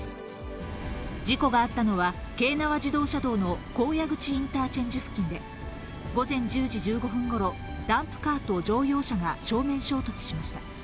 事故があったのは、京奈和自動車道の高野口インターチェンジ付近で、午前１０時１５分ごろ、ダンプカーと乗用車が正面衝突しました。